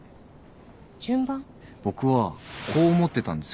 僕はこう思ってたんですけど。